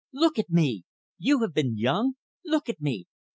Look at me! You have been young. Look at me.